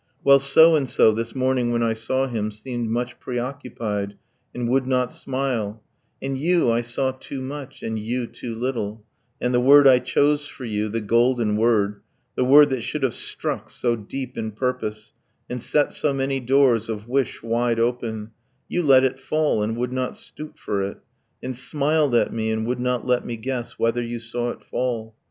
Well, so and so, this morning when I saw him, Seemed much preoccupied, and would not smile; And you, I saw too much; and you, too little; And the word I chose for you, the golden word, The word that should have struck so deep in purpose, And set so many doors of wish wide open, You let it fall, and would not stoop for it, And smiled at me, and would not let me guess Whether you saw it fall.